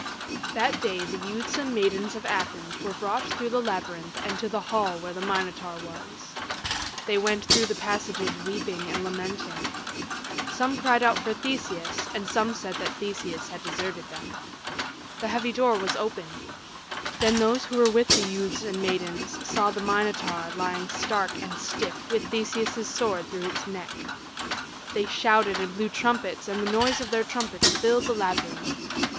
V That day the youths and maidens of Athens were brought through the labyrinth and to the hall where the Minotaur was. They went through the passages weeping and lamenting. Some cried out for Theseus, and some said that Theseus had deserted them. The heavy door was opened. Then those who were with the youths and maidens saw the Minotaur lying stark and stiff with Theseus's sword through its neck. They shouted and blew trumpets and the noise of their trumpets filled the labyrinth.